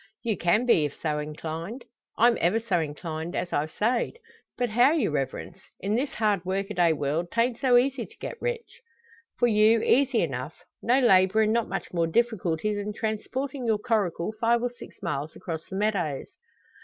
"You can be, if so inclined." "I'm ever so inclined, as I've sayed. But how, your Reverence? In this hard work o' day world 'tant so easy to get rich." "For you, easy enough. No labour and not much more difficulty than transporting your coracle five or six miles across the meadows."